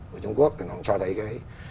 trung quốc nó cho thấy cái